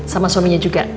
sama suaminya juga